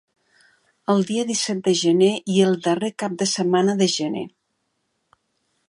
El dia disset de gener i el darrer cap de setmana de gener.